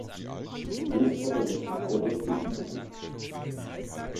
Großvater wirft sofort das Kissen nach ihr.